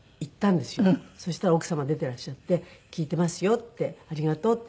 そしたら奥様出ていらっしゃって「聞いてますよ」って「ありがとう」って。